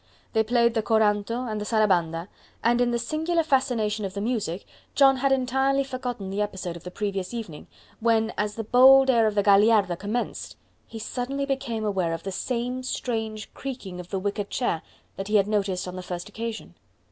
They played the Coranto and the Sarabanda, and in the singular fascination of the music John had entirely forgotten the episode of the previous evening, when, as the bold air of the Gagliarda commenced, he suddenly became aware of the same strange creaking of the wicker chair that he had noticed on the first occasion.